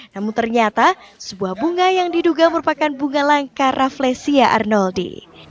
namun ternyata sebuah bunga yang diduga merupakan bunga langka rafflesia arnoldi